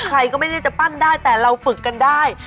ใครก็ไม่ได้จะปั้นได้แต่เราฝึกกันได้